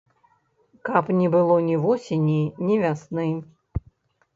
Каб не было ні восені, ні вясны.